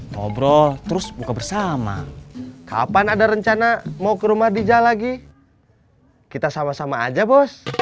ngobrol terus buka bersama kapan ada rencana mau ke rumah di jalan lagi kita sama sama aja bos